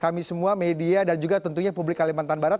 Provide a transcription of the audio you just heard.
kami semua media dan juga tentunya publik kalimantan barat